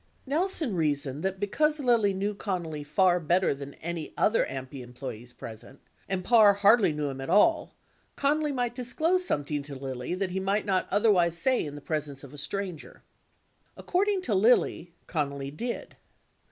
639 Nelson reasoned that because Lilly knew Connally far better than any other AMPI employee present, and Parr hardly knew him at all, Connally might disclose something to Lilly that he might not other wise say in the presence of a stranger. 50 According to Lilly, Connally did.